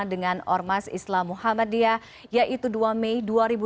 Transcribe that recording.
dengan ormas islam muhammadiyah yaitu dua mei dua ribu dua puluh